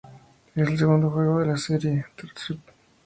Es el segundo juego de la serie R-Type.